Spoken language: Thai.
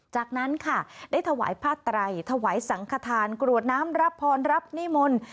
จากนั้นค่ะได้ถวายผ้าไตรถวายสังขทานกรวดน้ำรับพรรับนิมนต์